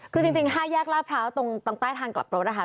คือจริง๕แยกลาดพร้าวตรงใต้ทางกลับรถนะคะ